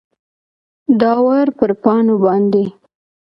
داور پر پاڼو باندي ،